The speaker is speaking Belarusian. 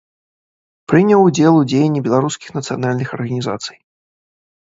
Прыняў удзел у дзеянні беларускіх нацыянальных арганізацый.